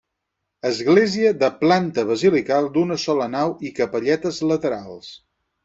Església de planta basilical d'una sola nau i capelletes laterals.